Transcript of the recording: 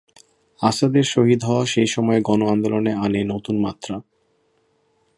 আসাদের শহীদ হওয়া সেই সময়ের গণ আন্দোলনে আনে নতুন মাত্রা।